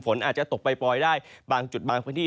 ฝนอาจจะตกปล่อยได้บางจุดบางพื้นที่